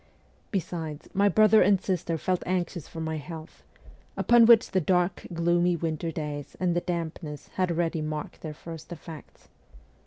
Besides, my brother and sister felt anxious for my health, upon which the dark, gloomy winter days and the dampness had already marked their first effects.